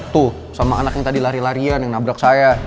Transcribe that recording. tuh sama anak yang tadi lari larian yang nabrak saya